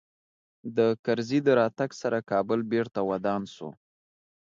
د کرزي د راتګ سره کابل بېرته ودان سو